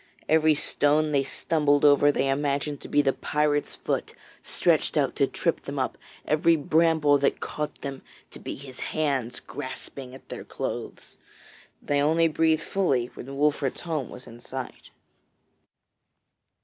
Every stone they stumbled over they imagined to be the pirate's foot stretched out to trip them up; every bramble that caught them to be his hands grasping at their clothes. They only breathed fully when Wolfert's home was in sight.